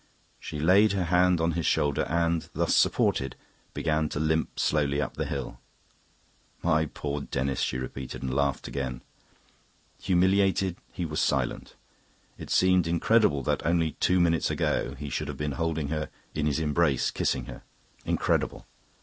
She laid her hand on his shoulder and, thus supported, began to limp slowly up the hill. "My poor Denis!" she repeated, and laughed again. Humiliated, he was silent. It seemed incredible that, only two minutes ago, he should have been holding her in his embrace, kissing her. Incredible.